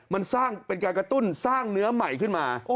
มันสร้างเป็นการกระตุ้นสร้างเนื้อใหม่ขึ้นมา